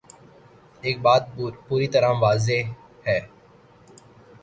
ایک بات پوری طرح واضح ہے۔